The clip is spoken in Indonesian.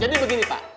jadi begini pak